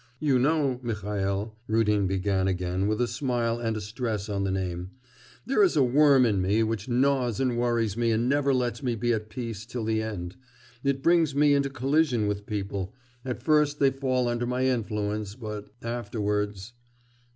'You know, Mihail,' Rudin began again with a smile and a stress on the name, 'there is a worm in me which gnaws and worries me and never lets me be at peace till the end. It brings me into collision with people, at first they fall under my influence, but afterwards...